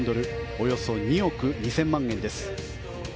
およそ２億２０００万円です。